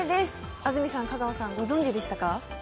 安住さん、香川さん、ご存じでしたか？